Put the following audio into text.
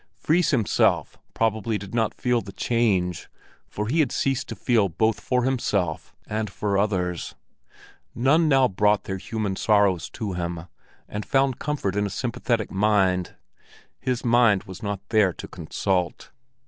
Fris himself probably did not feel the change, for he had ceased to feel both for himself and for others. None now brought their human sorrows to him, and found comfort in a sympathetic mind; his mind was not there to consult.